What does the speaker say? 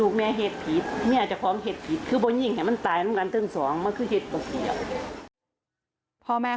ก็เดี๋ยวจัดการมา